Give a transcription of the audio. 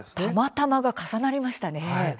たまたまが重なりましたね。